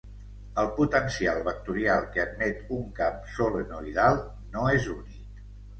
El potencial vectorial que admet un camp solenoidal no és únic.